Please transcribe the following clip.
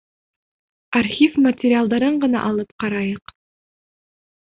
Архив материалдарын ғына алып ҡарайыҡ.